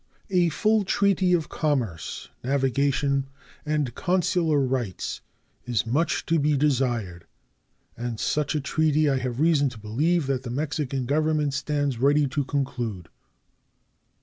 A full treaty of commerce, navigation, and consular rights is much to be desired, and such a treaty I have reason to believe that the Mexican Government stands ready to conclude.